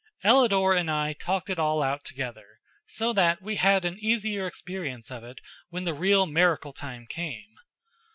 Ellador and I talked it all out together, so that we had an easier experience of it when the real miracle time came.